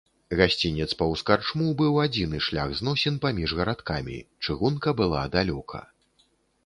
Гасцінец паўз карчму быў адзіны шлях зносін паміж гарадкамі, чыгунка была далёка.